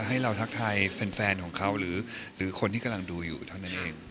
ให้เราทักทายแฟนของเขาหรือคนที่กำลังดูอยู่เท่านั้นเอง